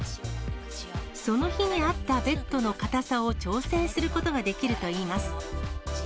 その日に合ったベッドの硬さを調整することができるといいます。